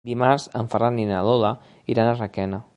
Dimarts en Ferran i na Lola iran a Requena.